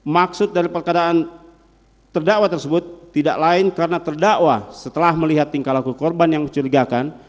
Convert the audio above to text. maksud dari perkadaan terdakwa tersebut tidak lain karena terdakwa setelah melihat tingkah laku korban yang mencurigakan